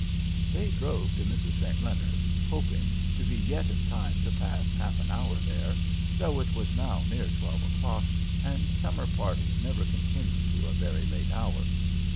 They drove to Mrs. St. Leonard's, hoping to be yet in time to pass half an hour there; though it was now near twelve o'clock and summer parties never continue to a very late hour.